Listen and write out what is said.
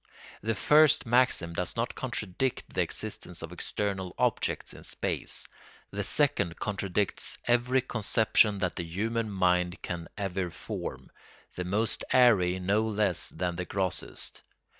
The first maxim does not contradict the existence of external objects in space; the second contradicts every conception that the human mind can ever form, the most airy no less than the grossest.